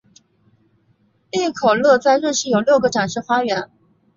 利口乐在瑞士有六个展示花园。